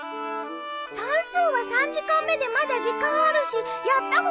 算数は３時間目でまだ時間あるしやった方がいいよ。